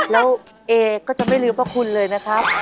แล้วเอก็จะไม่ลืมพระคุณเลยนะครับ